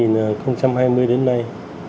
năm hai nghìn hai mươi đến nay